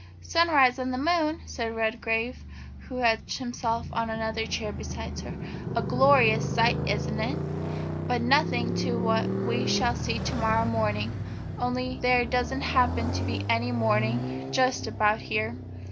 "Sunrise on the Moon!" said Redgrave, who had stretched himself on another chair beside her. "A glorious sight, isn't it? But nothing to what we shall see to morrow morning only there doesn't happen to be any morning just about here."